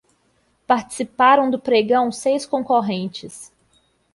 Participaram do pregão seis concorrentes